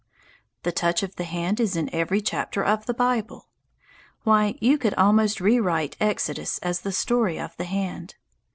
The touch of the hand is in every chapter of the Bible. Why, you could almost rewrite Exodus as the story of the hand.